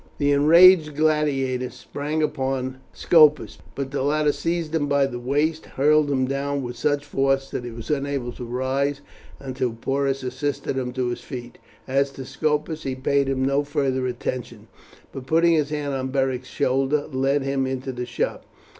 The enraged gladiator sprang upon Scopus, but the latter seized him by the waist and hurled him down with such force that he was unable to rise until Porus assisted him to his feet. As to Scopus, he paid him no farther attention, but putting his hand on Beric's shoulder led him into the shop.